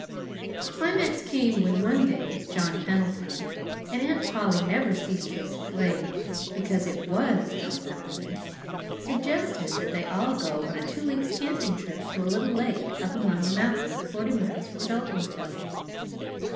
The climax came when one day John Pendleton (and Aunt Polly never ceased to exclaim because it WAS John Pendleton) suggested that they all go on a two weeks' camping trip to a little lake up among the mountains forty miles from Beldingsville.